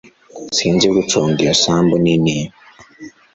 Sinzi gucunga iyo sambu nini